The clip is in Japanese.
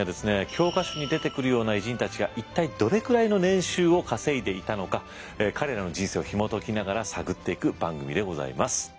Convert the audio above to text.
教科書に出てくるような偉人たちが一体どれくらいの年収を稼いでいたのか彼らの人生をひも解きながら探っていく番組でございます。